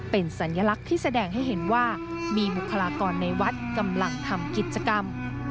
เป็นสัญลักษณ์ที่แสดงให้เห็นว่ามีบุคลากรในวัดกำลังทำกิจกรรม